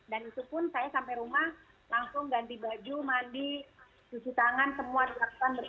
dan itu pun saya sampai rumah langsung ganti baju mandi cuci tangan semua dilakukan